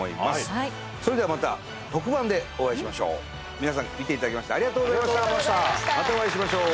はいそれではまた特番でお会いしましょう皆さん見ていただきましてありがとうございましたありがとうございましたまたお会いしましょう